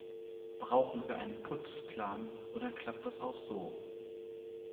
Brauchen wir einen Putzplan, oder klappt das auch so?